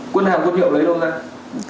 quân hàng quân hiệu lấy đâu nè